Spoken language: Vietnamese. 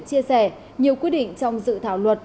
chia sẻ nhiều quyết định trong dự thảo luật